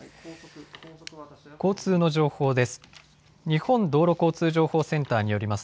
交通の情報です。